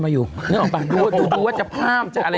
มีไนท์กลัวปากหรอ